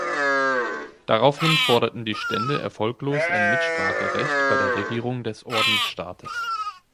Daraufhin forderten die Stände erfolglos ein Mitspracherecht bei der Regierung des Ordensstaates.